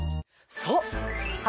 そう！